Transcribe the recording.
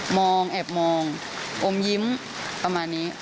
มองแอบมองอมยิ้มประมาณนี้